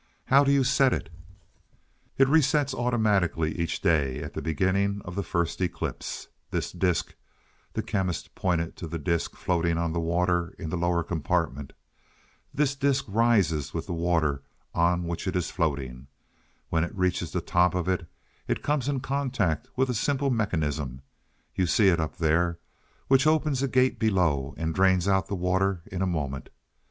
"How do you set it?" "It resets automatically each day, at the beginning of the first eclipse. This disc," the Chemist pointed to the disc floating on the water in the lower compartment. "This disc rises with the water on which it is floating. When it reaches the top of it, it comes in contact with a simple mechanism you'll see it up there which opens a gate below and drains out the water in a moment.